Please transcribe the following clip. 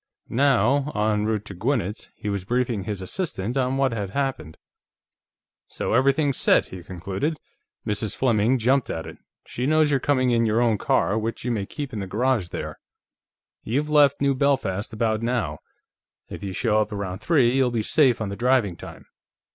Now, en route to Gwinnett's, he was briefing his assistant on what had happened. "So everything's set," he concluded. "Mrs. Fleming jumped at it; she knows you're coming in your own car, which you may keep in the garage there. You've left New Belfast about now; if you show up around three, you'll be safe on the driving time.